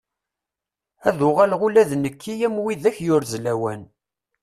Ad uɣaleɣ ula d nekki am widak yurez lawan.